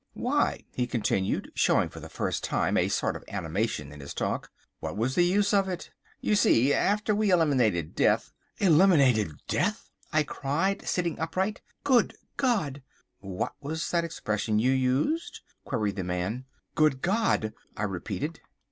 Why," he continued, showing for the first time a sort of animation in his talk, "what was the use of it? You see, after we eliminated death—" "Eliminated death!" I cried, sitting upright. "Good God!" "What was that expression you used?" queried the man. "Good God!" I repeated.